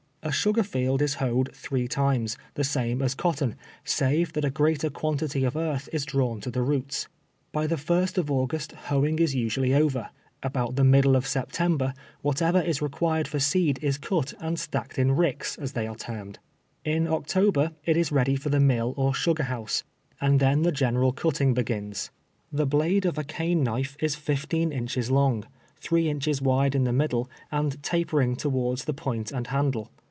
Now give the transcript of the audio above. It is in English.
A sugar field is hoed three times, the same as cotton, save that a greater quantity of earth is drawn to the roots. By the first of Au gust hoeing is usually over. About the middle of September, whatever is recpiired for seed is cut and stacked in ricks, as they are termed. In October it is ready for the mill or sugar house, and then the gen eral cutting begins. The blade of a cane knife is fif teen inches long, three inches wide in the middle, and tapering towards the point and handle.